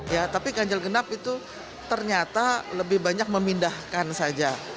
ya tapi ganjil genap itu ternyata lebih banyak memindahkan saja